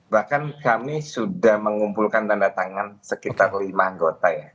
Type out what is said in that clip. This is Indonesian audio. bahkan kami sudah mengumpulkan tanda tangan sekitar lima anggota ya